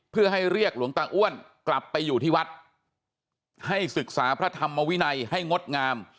เพื่อให้เรียกหลวงตาอ้วนกลับไปอยู่ที่วัดให้ศึกษาพระธรรมวินัยให้งดงาม